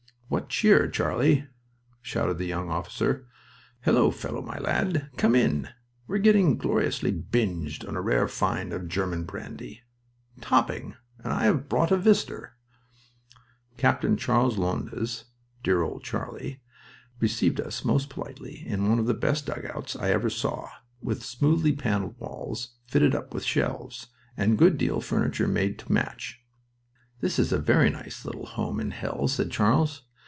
"What cheer, Charlie!" shouted the young officer. "Hullo, fellow my lad!... Come in. We're getting gloriously binged on a rare find of German brandy." "Topping and I've brought a visitor." Capt. Charles Lowndes "dear old Charlie" received us most politely in one of the best dugouts I ever saw, with smoothly paneled walls fitted up with shelves, and good deal furniture made to match. "This is a nice little home in hell," said Charles.